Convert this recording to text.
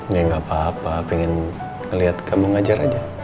ya gapapa pengen ngeliat kamu ngajar aja